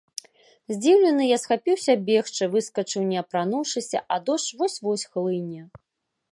Здзіўлены, я схапіўся бегчы, выскачыў не апрануўшыся, а дождж вось-вось хлыне.